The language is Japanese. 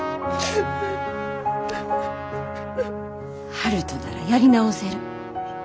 悠人ならやり直せる。